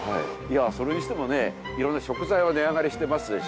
それにしてもね色んな食材は値上がりしてますでしょ？